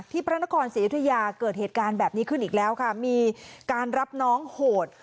พระนครศรียุธยาเกิดเหตุการณ์แบบนี้ขึ้นอีกแล้วค่ะมีการรับน้องโหด